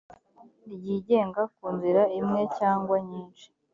ryigenga ku nzira imwe cyangwa nyinshi